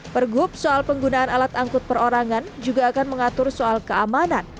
pergub soal penggunaan alat angkut perorangan juga akan mengatur soal keamanan